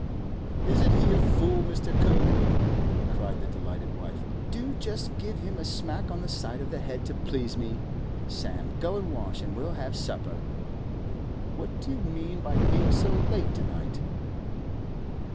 'Isn't he a fool, Mr. Kirkwood?' cried the delighted wife. 'Do just give him a smack on the side of the head, to please me! Sam, go an' wash, an' we'll have supper. What do you mean by being so late to night?